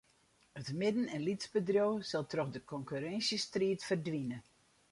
It midden- en lytsbedriuw sil troch de konkurrinsjestriid ferdwine.